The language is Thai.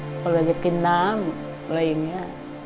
ออกไปกินน้ำอะไรอย่างเนี้ย